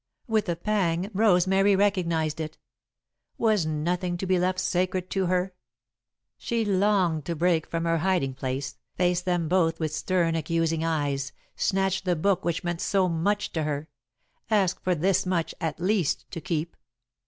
With a pang, Rosemary recognised it. Was nothing to be left sacred to her? She longed to break from her hiding place, face them both with stern accusing eyes, snatch the book which meant so much to her ask for this much, at least, to keep.